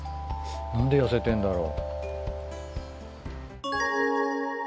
なんで痩せてんだろう。